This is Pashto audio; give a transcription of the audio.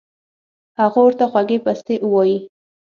هغو ورته خوږې پستې اووائي